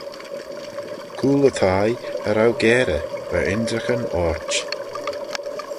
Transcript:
Cooyl y thie, cha row garey - va ynrican orçh.